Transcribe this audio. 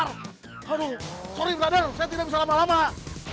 aduh maaf brother saya tidak bisa lama lama ya